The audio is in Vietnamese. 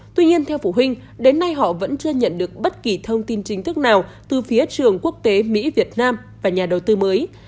tuy nhiên theo phụ huynh đến nay họ vẫn chưa nhận được bất kỳ thông tin chính thức nào từ phía trường quốc tế mỹ việt nam và nhà đầu tư mới